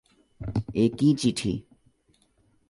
এ কী চিঠি।